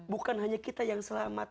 bukan hanya kita yang selamat